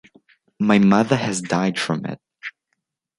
My mother has died from it.